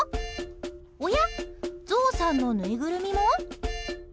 おや、ゾウさんのぬいぐるみも？